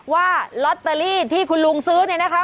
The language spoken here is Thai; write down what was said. ว่าลอตเตอรี่ที่คุณลุงซื้อเนี่ยนะคะ